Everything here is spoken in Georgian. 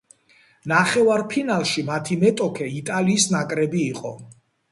ნახევარფინალში მათი მეტოქე იტალიის ნაკრები იყო.